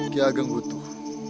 ki ageng butuh